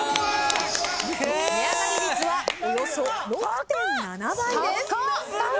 値上がり率はおよそ６．７倍です。